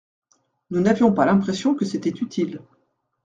Nous n’avions pas l’impression que c’était utile.